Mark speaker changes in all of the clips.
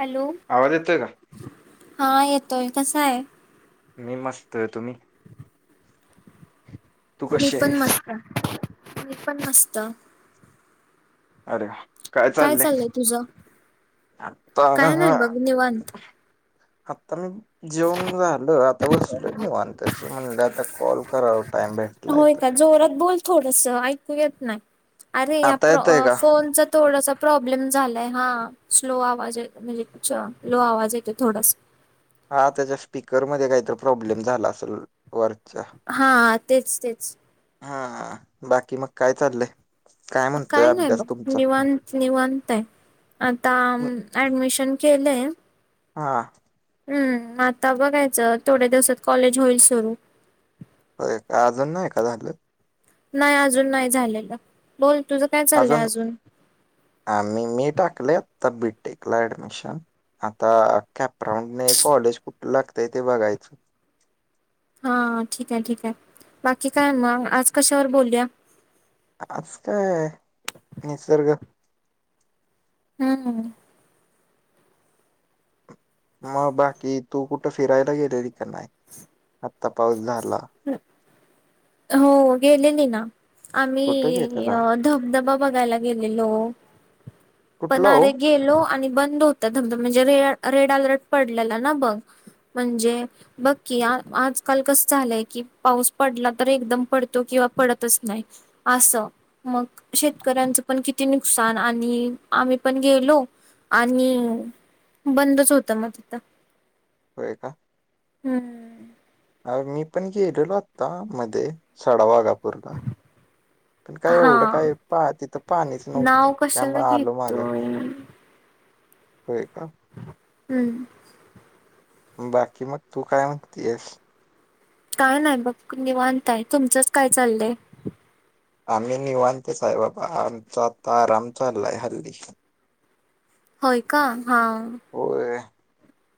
Speaker 1: Hello.
Speaker 2: आवाज येतोय का?
Speaker 1: हा येतोय कसं आहे.
Speaker 2: मी मस्त आहे तुम्ही? तू
Speaker 1: मी
Speaker 2: कशी
Speaker 1: पण
Speaker 2: आहेस?
Speaker 1: मस्त मी पण मस्त
Speaker 2: अरे. काय चाललंय आता
Speaker 1: काय नाही बघ निवांत
Speaker 2: आता मी जेवन राहिलो आता बसल निवान त्याच म्हणलं आता कॉल करा टाईम
Speaker 1: होय
Speaker 2: भेटलायत.
Speaker 1: का जोरात बोल थोडस ऐकू येत नाही अरे या
Speaker 2: आता येतय का?
Speaker 1: फोन थोडासा प्रॉब्लेम झालाय हा स्लो आवाज म्हणजे लो आवाज येतो थोडासा.
Speaker 2: हाताच्या स्पीकरमध्येध्ये काहीत प्रॉब्लेम झाला असेल वर
Speaker 1: हा तेच तेच
Speaker 2: हा बाकी मग काय चाललंय काय म्हण
Speaker 1: काय नाही बघ निवांत निवांत आहे आता ऍडमिशन केलंय.
Speaker 2: हां.
Speaker 1: हम्म आता बघायचं थोड्या दिवसात कॉलेज होईल सुरू
Speaker 2: हो अजून ना ए का झालं.
Speaker 1: नाही अजून नाही झालेलं बोल तुझ काय चाललंय अजून
Speaker 2: आ मी मी टाकले आता बी टेकला ऍडमिशन आता कॅपराऊंड नाही कॉलेज कुठ लागतय ते बघायचं.
Speaker 1: हा ठीक आहे ठीक आहे बाकी काय मग आज कशावर बोलूया.
Speaker 2: आज काय निसर्ग
Speaker 1: हम्म.
Speaker 2: मग बाकी तू कुठं फिरायला गेलेली का नाही आत्ता पाऊस झाला.
Speaker 1: हो गेलेली ना. आम्ही
Speaker 2: कुठं गेलेला?
Speaker 1: धबधबा बघायला गेलेलो. पण
Speaker 2: कुठला हो?
Speaker 1: अरे गेलो आणि बंद होता धमधम म्हणजे रे रेड अलर्ट पडलेला ना बघ. म्हणजे बक्की आजकाल कस झालंय कि पाऊस पडला तर एकदम पडतो किंवा पडतच नाही. असं मग शेतकऱ्यांचं पण किती नुकसान आणि आम्ही पण गेलो आणि बंदच होतं मग तिथं.
Speaker 2: होय का.
Speaker 1: हम्म
Speaker 2: अ मी पण गेलेलो होता मध्ये साड वागापूरला. पण काय
Speaker 1: हा
Speaker 2: एवढं काय पा तिथं पाणीच नव्हतं
Speaker 1: नाव कशाला
Speaker 2: त्यामुळं आलो माग.
Speaker 1: घेतोय
Speaker 2: होय का.
Speaker 1: हम्म.
Speaker 2: बाकी मग तू काय म्हणती येस.
Speaker 1: काय नाही बघ निवांताय तुमचंच काय चाललंय.
Speaker 2: आम्ही निवनतच हाय बाबा आमचा आता आराम चाललाय हल्ली.
Speaker 1: होय का हां.
Speaker 2: होय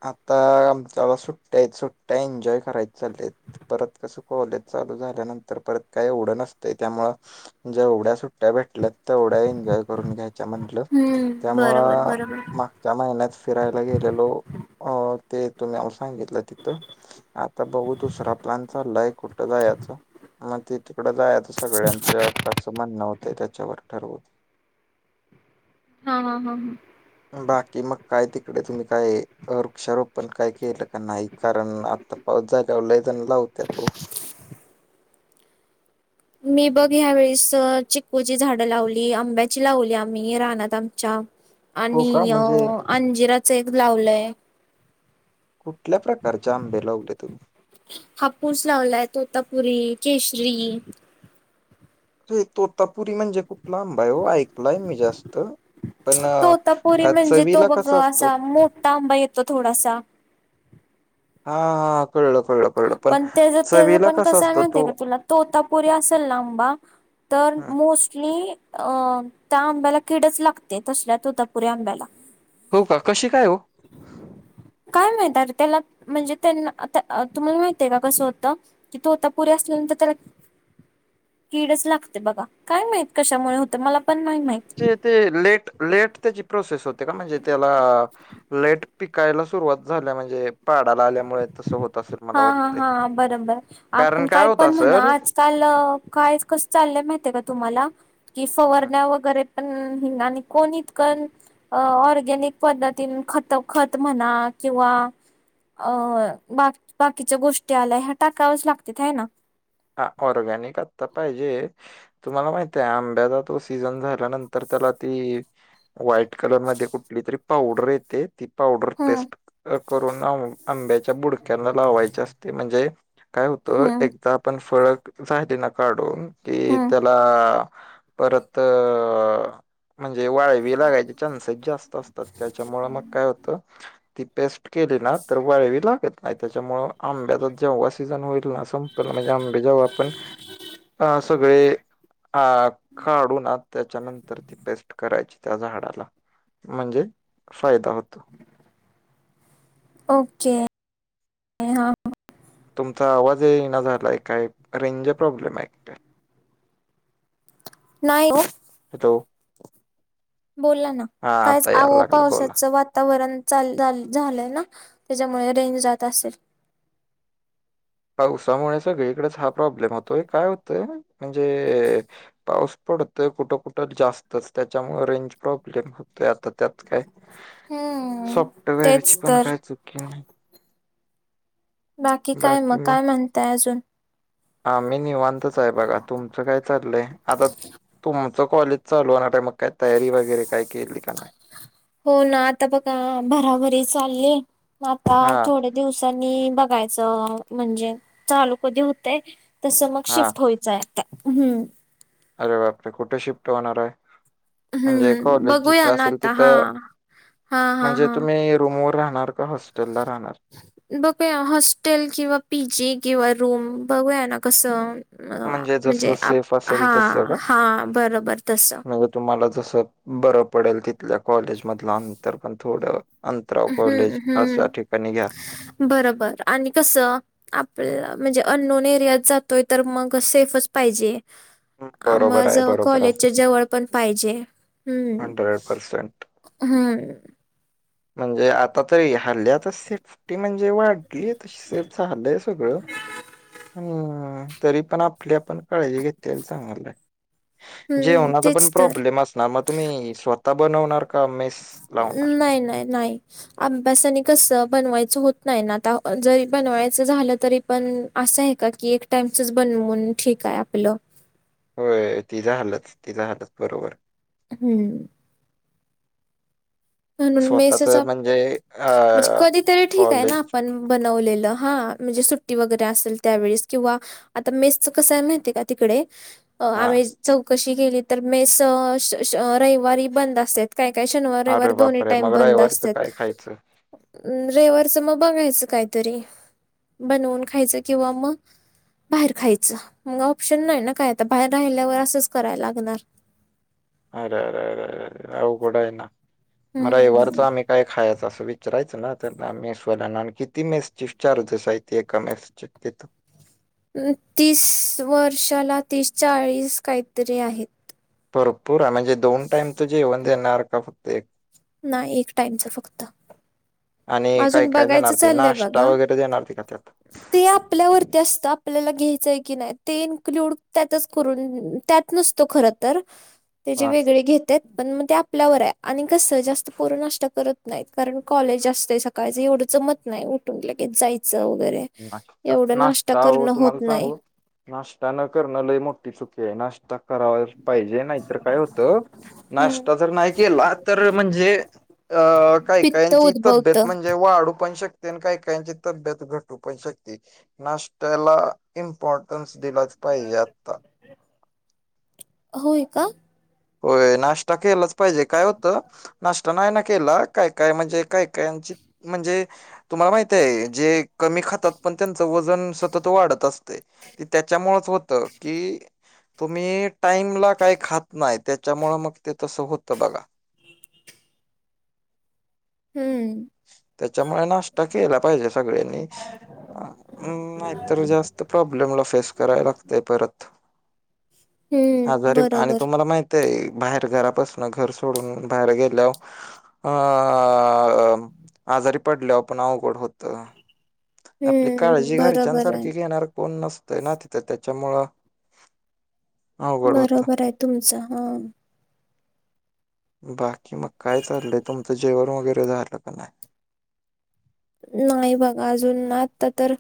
Speaker 2: आता आमच्याला सुट्ट्या आहेत सुट्ट्या एन्जॉय करायच चालेत. परत कसं कॉलेज चालू झाल्यानंतर परत काही एवढं नसतं त्यामुळ जेवढ्या सुट्ट्या भेटल्या तेवढ्या एन्जॉय करून घ्यायच्या म्हटलं
Speaker 1: हम्म बरोबर
Speaker 2: त्यामुळं
Speaker 1: बरोबर.
Speaker 2: मागच्या महिन्यात फिरायला गेलेलो ते तुम्ही नाव सांगितलं तिथं आता बघऊ दुसरा प्लन चाललाय कुठं जायाचा. मग त तिकडं जायता सगळ्यांच फारसं म्हणणं होतं त्याच्यावर ठरवून
Speaker 1: हा हा हा हा.
Speaker 2: बाकी मग काय तिकडे तुम्ही काय वृक्षरोप पण काय केलं का नाही कारण आत्ता पाऊस जागावर लैजण लावत्या हो
Speaker 1: मी बघ ह्या वेळेस चिकू ची झाडं लावली आंब्याची लावली आम्ही रानात आमच्या
Speaker 2: हो का
Speaker 1: आणि
Speaker 2: म्हणजे
Speaker 1: अंजिराचं एक लावलंय.
Speaker 2: कुठल्या प्रकारचे आंबे लावले तुम्ही?
Speaker 1: हापूस लावलाय तोतापुरी केशरी
Speaker 2: अे तोतापुरी म्हणजे खूप लांबा आहे हो ऐकलाय मी जास्त पण अ,
Speaker 1: तोतापुरी
Speaker 2: का
Speaker 1: म्हणजे तो
Speaker 2: चवीला
Speaker 1: बघ
Speaker 2: कसा असतो
Speaker 1: असा मोठा आंबा येतो थोडासा
Speaker 2: [unintelligible] कळलं कळलं कळलं.
Speaker 1: पण ते तेच
Speaker 2: चवीला
Speaker 1: पण
Speaker 2: कसा
Speaker 1: कसं
Speaker 2: असतो
Speaker 1: म्हणते
Speaker 2: तो
Speaker 1: का तुला तोतापुरी असेल लांबा तर
Speaker 2: हं.
Speaker 1: मोस्टली अ त्या आंब्याला कीडच लागते तसल्या ततापुरी्या आंब्याला.
Speaker 2: हो का कशी काय हो
Speaker 1: काय माहितरे त्याला म्हणजे त्यांना तुम्हाला माहितय का कसं होतं कि तो आता पुरीे असल्यानंतर त्याला कीडच लागते बघा काय माहित कशामुळे होतं मला पण नाही माहित.
Speaker 2: ते लेट लेट त्याची प्रोसेस होते का म्हणजे त्याला लेट पिकायला सुरुवात झाल्या म्हणजे पाडाला आल्यामुळे तस होत असेल मला
Speaker 1: हा हा
Speaker 2: वाटते
Speaker 1: हा बरोबर
Speaker 2: कारण
Speaker 1: आपण काय
Speaker 2: होत
Speaker 1: पण हो ना
Speaker 2: असेल
Speaker 1: आज चाल काय कस चाललंय माहितय का तुम्हाला की फवारण्या वगैरे पण ह आणि कोणी इतक अ ऑर्गॅनिक पद्धतीन खत खत म्हणा किंवा अ बाकी बाकीच्या गोष्टी आल्या ह्या टाकावच लागत ह ना.
Speaker 2: हा ऑर्गॅनिक आता पाहिजे. तुम्हाला माहितय आंब्याचा तो सीझन झाल्यानंतर त्याला ती व्हाईट कलर मध्ये कुठली तरी पावडर येते ती पावडर
Speaker 1: हम्म
Speaker 2: पेस्ट करून आंब्याच्या बुडक्यांना लावायचे असते म्हणजे काय होतं
Speaker 1: हम्म
Speaker 2: एकदा पण फळक झाली ना काढून की
Speaker 1: हम्म
Speaker 2: त्याला परत त. म्हणजे वाळवी लागायचे चान्सेस जास्त असतात त्याच्यामुळे मग काय होतं ती पेस्ट केली ना तर वळवी लागत नाही त्याच्यामुळे आंब्याचा जेव्हा सीझन होईल ना संपल म्हणजे आंबे जेव आपण सगळे अ काढून त्याच्यानंतर ती पेस्ट करायची त्या झाडाला म्हणजे फायदा होतो
Speaker 1: ओके हा
Speaker 2: तुमचा आवाज ये ना झालाय काय रेंजर प्रॉब्लेम आहे
Speaker 1: नाहीईन
Speaker 2: ह तो
Speaker 1: बोोलला ना कायच
Speaker 2: आता यायला
Speaker 1: आहो
Speaker 2: लागला बोला.
Speaker 1: पावसाचं वातावरण चाल झालंय ना त्याच्यामुळे रेंज जात असेल
Speaker 2: पावसामुळे सगळीकडेच हा प्रॉब्लेम होतोय काय होतंय म्हणजे पाऊस पडतोय कुठं कुठं जास्तच त्याच्यामु रेंज प्रॉब्लेम होतोय आता त्यात काय
Speaker 1: हम्म
Speaker 2: सॉफ्टवेअरची
Speaker 1: तेच
Speaker 2: पण
Speaker 1: तर
Speaker 2: काय चुकी नाही
Speaker 1: बाकी काय मग काय म्हणताय अजून
Speaker 2: हा मी निवांतच आहे बघा तुमचं काय चाललंय आता तुम तुं कॉलेज चालूणार आहे मग काय तयारी वगैरे काय केली का नाही
Speaker 1: हो ना आता बघा बराबरी चालली आता
Speaker 2: हां,
Speaker 1: थोडे दिवसांनी बघायचं म्हणजे चालू कधी होतय तसं मग
Speaker 2: हां.
Speaker 1: शिफ्ट होयचंय हम्म
Speaker 2: अरे बापरे कुठे शिफ्ट होणार आहे म्हणजे
Speaker 1: हम्म
Speaker 2: कॉलेज
Speaker 1: बघूया
Speaker 2: जिथं
Speaker 1: ना
Speaker 2: असेल
Speaker 1: आता हा
Speaker 2: तिथं
Speaker 1: हा हा
Speaker 2: म्हणजे
Speaker 1: हा
Speaker 2: तुम्ही रूमवरर राहणार हॉस्टेलला राहणार
Speaker 1: बघूया हॉस्टेल किंवा पी जी किंवा रूम बघूया ना कसं
Speaker 2: जसं
Speaker 1: म्हणजे
Speaker 2: सेफ असेल
Speaker 1: हा
Speaker 2: तसं का?
Speaker 1: हा बरोबर तस
Speaker 2: म्हणजे तुम्हाला जसं बरं पडेल तिथल्या कॉलेजमधलं नंतर पण थोडं अंतराव कॉलेज
Speaker 1: हं,
Speaker 2: अशा
Speaker 1: हं.
Speaker 2: ठिकाणी घ्या
Speaker 1: बरोबर आणि कसं आपला म्हणजे अननोन एरियात जातोय तर मग सेफच पाहिजे
Speaker 2: हम्म,
Speaker 1: आ
Speaker 2: बरोबर आहे, बरोबर आहे.
Speaker 1: कॉलेजच्या जवळ पण पाहिजे हम्म
Speaker 2: हंड्रेड पर्सेंट.
Speaker 1: हम्म
Speaker 2: म्हणजे आता तरी हल्ल्यातच सेफ्टी म्हणजे वाढ आहे त सेफच हल्लंय सगळं हम् तरी पण आपली आपण काळजी घेते सांगाल
Speaker 1: हं,
Speaker 2: जेवणा पण
Speaker 1: तेच तर.
Speaker 2: प्रॉब्लेम असणार मग तुम्ही स्वत बनणार काे
Speaker 1: नाही नाही नाही अभ्यासाने कस बनवायचं होत नाही ना आता जरी बनवायचं झालं तरी पण असं आहे का की एक टाइमचच बनवून ठीक आहे आपलं
Speaker 2: होय तिझं हलत तिचा हलत बरोबर
Speaker 1: हम्म म्हणून
Speaker 2: स्वतःच
Speaker 1: मेसेच
Speaker 2: म्हणजे
Speaker 1: म्हणजे
Speaker 2: अ
Speaker 1: कधीतरी ठीक आहे ना
Speaker 2: कॉलेज
Speaker 1: आपण बनवलेलं हा म्हणजे सुट्टी वगैरे असेल त्यावेेळेस किंवा आता मेसच कसं आहे माहतीय का तिकडे
Speaker 2: हा
Speaker 1: आम्ही चौकशी केली तर मेस रविवारी बंद असत काय काय
Speaker 2: अरे
Speaker 1: शनिवारवार दोन्ही
Speaker 2: बापरे
Speaker 1: टाईम
Speaker 2: मग
Speaker 1: बंद
Speaker 2: रविवारीचं
Speaker 1: असतात
Speaker 2: काय खायचं?
Speaker 1: रविवारचं मग बघायचं काहीतरी बनवून खायचं किंवा मग बाहेर खायचं मग ऑप्शन नाही ना काय आता बाहेर राहिल्यावर असंच करायला लागणार
Speaker 2: अरे अरे अरे अरे अवकडं आहे ना मला ए वारच
Speaker 1: हं.
Speaker 2: आम्ही काय खायचं असं विचारायचं ना तर मेसवाल्या ना आणि किती मेस ची चार दिसय त एका मेस शकेत
Speaker 1: तीस वर्षाला तिचाळीस काहीतरी आहेत
Speaker 2: भरपूर आहे म्हणजे दोन टाइम तूझेवन देणार का फक्त एक
Speaker 1: नाही एक टाइमच फक्त
Speaker 2: आणि काय
Speaker 1: अजून
Speaker 2: काय जाणार
Speaker 1: बघायचं
Speaker 2: ती
Speaker 1: चाललंय
Speaker 2: नाश्ता
Speaker 1: बघा.
Speaker 2: वगैरे देणार ती का त्यात
Speaker 1: ते आपल्यावरती असतं आपल्याला घ्यायचंय की नाही ते इन्क्लूड त्यातच करून त्या नसतो खर तर
Speaker 2: ह
Speaker 1: त्याचे वेगळे घेत पण मग ते आपल्यावर आहे आणि कसं जास्त पोर नाष्ट करत नाहीत कारण कॉलेज जास्त ते सकाळचं एवढंच मत नाही उठून की जायचं वगैरे
Speaker 2: नाश्ता
Speaker 1: एवढं नाष्टा
Speaker 2: नाश्ता हो
Speaker 1: करणं
Speaker 2: तुम्हाला
Speaker 1: होत नाही.
Speaker 2: सांगू नाश्ता न करण लही मोठी चुकी आहे नाश्ता करावा पाहिजे नाहीतर काय होतं
Speaker 1: हं.
Speaker 2: नाश्ता तर नाही केला तर म्हणजे अ काही
Speaker 1: पित्त
Speaker 2: काहींची
Speaker 1: उद्भवत
Speaker 2: तब्येत म्हणजे वाढू पण शकते आणि काही काहीची तब्येत घटते प शक नाश्याला इम्पॉर्टन्स दिलाच पाहिजे आता
Speaker 1: होय का
Speaker 2: होय नाश्ता केलाच पाहिजे काय होतं नाश्ता नाही ना केला काय काय म्हणजे काय कायची म्हणजे तुम्हाला माहित आहे जे कमी खातात पण त्यांचं वजन सतत वाढत असते त्याच्यामुळे होत की तुम्ही टाईमला काय खात नाही त्याच्या त्यामुळे मग ते तसं होतं बघा
Speaker 1: हम्म
Speaker 2: त्याच्यामुळे नाश्ता केला पाहिजे सगळ्यांनी नाही तर जास्त प्रॉब्लेमला फेस कराय लागतय परत हा
Speaker 1: हम्म
Speaker 2: जरी आणि
Speaker 1: बरोबर
Speaker 2: तुम्हाला माहिित ते बाहेर घरा बासून घर सोडून बाहेर गेल्यावर अ आजारी पडल्यावर पण अवघड होत आपली
Speaker 1: हम्म
Speaker 2: काळजी
Speaker 1: बरोबर आहे
Speaker 2: घरच्यांसारखी घेणार कोण नसत ना तर त्याच्यामुळं अवघड होतं.
Speaker 1: बरोबर आहे तुमच हा
Speaker 2: बाकी मग काय चाललंय तुमचं जेवण वगैरे झालं का नाही
Speaker 1: नाही बघा अजून ना आता तर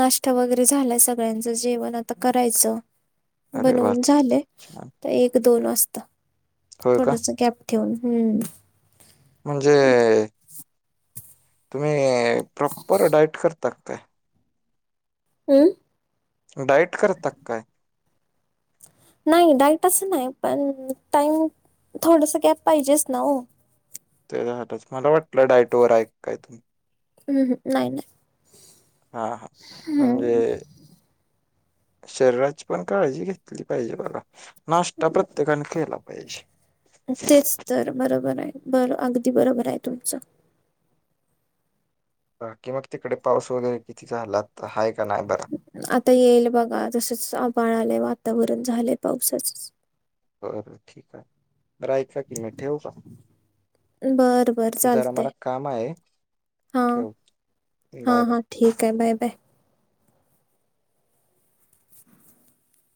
Speaker 1: नाष्ट वगैरे झालाय सगळ्यांचं जेवण आता करायचं
Speaker 2: अरे वा
Speaker 1: बनवून झाले
Speaker 2: छान
Speaker 1: तर एक दोन असत
Speaker 2: होय का
Speaker 1: थोडस गॅप ठेवून हम्म
Speaker 2: म्हणजे तुम्ही प्रॉपर डाईट करता ते
Speaker 1: हम्
Speaker 2: डाईट करतात काय
Speaker 1: नाही डाईट असं नाही पण टाईम थोडस गॅप पाहिजेच ना हो
Speaker 2: ते झालंच मला वाटलं डायटोवर ऐक काय तुम्ही
Speaker 1: हम् ह नाही नाही
Speaker 2: हा हा म्हजे
Speaker 1: हम्म
Speaker 2: शरीराची पण काळजी घेतली पाहिजे बला नाश्ता प्रत्येकाने केला पाहिजे
Speaker 1: तेच तर बरोबर आहे बर अगदी बरोबर आहे तुमचं
Speaker 2: कि मग तिकडे पाऊस वगैरे किती झालात आहे का नाही बरं
Speaker 1: आता येईल बघा तसच आबाळ आलंय वातावरण झालंय पावसाच
Speaker 2: बर ठीक आहे बर एकऐका किमट ठेवू का
Speaker 1: बर बर
Speaker 2: जरा मला
Speaker 1: चालतंय
Speaker 2: काम आहे
Speaker 1: हा
Speaker 2: ठेव बाय
Speaker 1: हा
Speaker 2: बाय.
Speaker 1: हा ठीक आहे बाय बाय